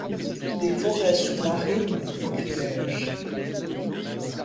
Des forêts sous-marines ! m’écriai-je.